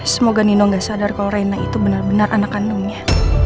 semoga nino gak sadar kalau reina itu benar benar anak kandungnya